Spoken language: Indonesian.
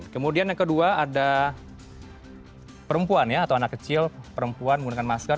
kemudian yang kedua ada perempuan ya atau anak kecil perempuan menggunakan masker